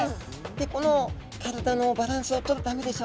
この体のバランスをとるためでしょうか？